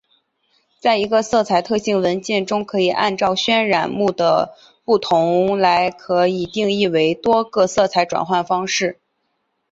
在一个色彩特性文件中可以按照渲染目的的不同来可以定义多个色彩转换方式。